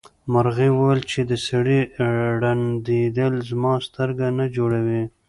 مرغۍ وویل چې د سړي ړندېدل زما سترګه نه جوړوي.